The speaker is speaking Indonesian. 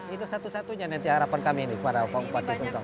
ini satu satunya nanti harapan kami ini kepada pak bupati kuntung